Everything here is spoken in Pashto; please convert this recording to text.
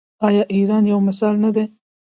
آیا ایران یو مثال نه دی؟